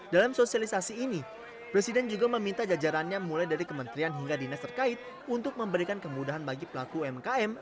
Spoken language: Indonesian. dalam sosialisasi ini presiden juga meminta jajarannya mulai dari kementerian hingga dinas terkait untuk memberikan kemudahan bagi pelaku umkm